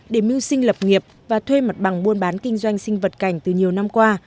để mưu sinh lập nghiệp và thuê mặt bằng buôn bán kinh doanh sinh vật cảnh từ nhiều năm qua